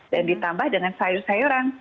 dan ditambah dengan sayur sayuran